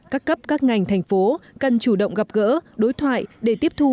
các cấp các ngành thành phố cần chủ động gặp gỡ đối thoại để tiếp thu